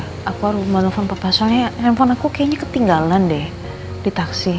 ya udah aku baru mau telepon papa soalnya handphone aku kayaknya ketinggalan deh di taksi